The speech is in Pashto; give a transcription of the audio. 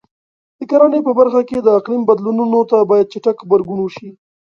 د کرنې په برخه کې د اقلیم بدلونونو ته باید چټک غبرګون وشي.